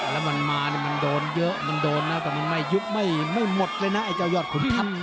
แล้วมันมามันโดนเยอะมันโดนนะแต่มันไม่ยุบไม่หมดเลยนะไอ้เจ้ายอดขุนท่าน